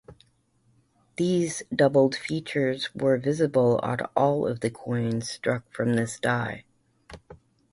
These doubled features were visible on all of the coins struck from this die.